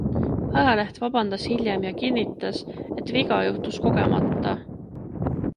Ajaleht vabandas hiljem ja kinnitas, et viga juhtus kogemata.